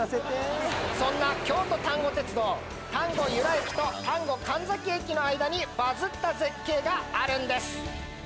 そんな京都丹後鉄道丹後由良駅と丹後神崎駅の間にバズった絶景があるんです。